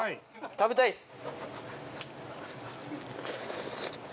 食べたいです。